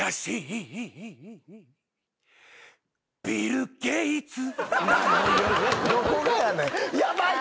「ビル・ゲイツなのよ」